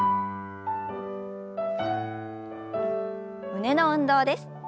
胸の運動です。